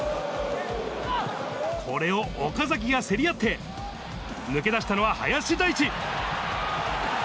これを岡崎が競り合って、抜け出したのは林大地。